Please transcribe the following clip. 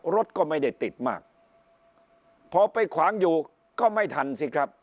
รถก็ไม่ได้ติดมากพอไปขวางอยู่ก็ไม่ทันสิครับ